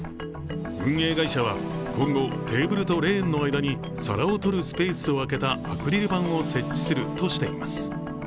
運営会社は今後、テーブルとレーンの間に皿を取るスペースをあけたアクリル板を設置するとしています。